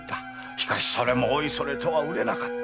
しかしそれもおいそれとは売れなかった。